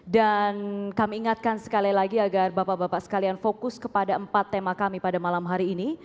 dan kami ingatkan sekali lagi agar bapak bapak sekalian fokus kepada empat tema kami pada malam hari ini